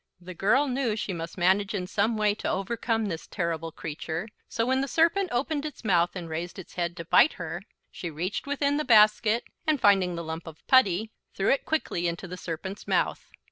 The girl knew she must manage in some way to overcome this terrible creature, so when the serpent opened its mouth and raised its head to bite her, she reached within the basket, and finding the lump of putty, threw it quickly into the serpent's mouth.